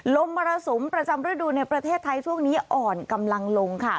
มรสุมประจำฤดูในประเทศไทยช่วงนี้อ่อนกำลังลงค่ะ